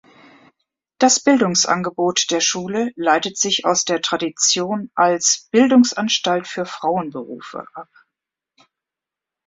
Das Bildungsangebot der Schule leitet sich aus der Tradition als „Bildungsanstalt für Frauenberufe“ ab.